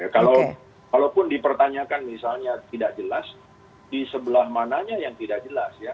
kalaupun dipertanyakan misalnya tidak jelas di sebelah mananya yang tidak jelas ya